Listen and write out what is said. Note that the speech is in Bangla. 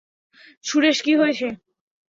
সুরেশ, কি হয়েছে?